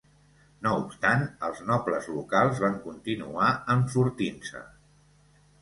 No obstant, els nobles locals van continuar enfortint-se.